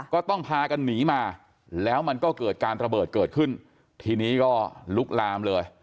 ก็ต้องพากันหนีมาแล้วมันก็เกิดการระเบิดเกิดขึ้นทีนี้ก็ลุกลามเลย